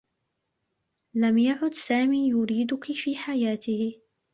لم يعد سامي يريدك في حياته.